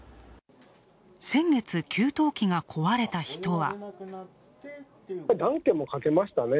先月、給湯器が壊れた人は。